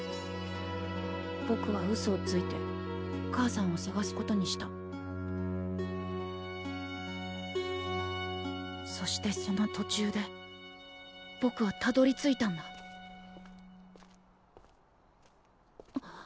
ぼくはうそをついて母さんを探すことにしたそしてそのとちゅうでぼくはたどりついたんだあっ。